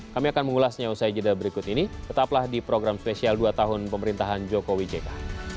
kami akan mengulasnya usai jeda berikut ini tetaplah di program spesial dua tahun pemerintahan jokowi jk